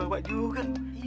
togenya sekalian ya